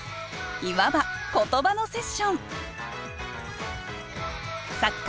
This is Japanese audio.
いわば言葉のセッション作家